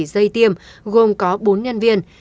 dây tiêm gồm có bốn nhân viên